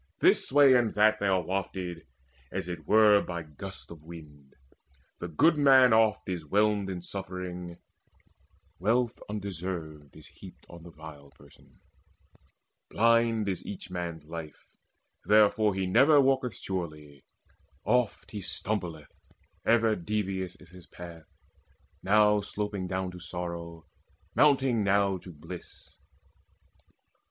This way and that they are wafted, as it were By gusts of wind. The good man oft is whelmed In suffering: wealth undeserved is heaped On the vile person. Blind is each man's life; Therefore he never walketh surely; oft He stumbleth: ever devious is his path, Now sloping down to sorrow, mounting now To bliss.